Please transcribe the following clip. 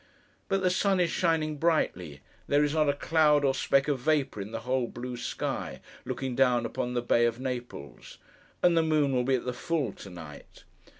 But, the sun is shining brightly; there is not a cloud or speck of vapour in the whole blue sky, looking down upon the bay of Naples; and the moon will be at the full to night.